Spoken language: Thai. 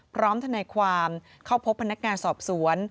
พร้อมที่ในความเข้าพบพนักงานสอบสวน